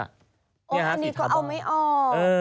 อันนี้ก็เอาไม่ออก